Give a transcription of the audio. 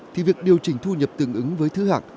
thì việc điều chỉnh thu nhập tương ứng với thứ hạng